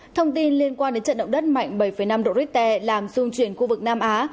thông tin liên quan đến trận động đất mạnh bảy năm độ richter làm dung chuyển khu vực nam á